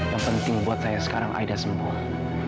yang penting buat saya sekarang aida sembuh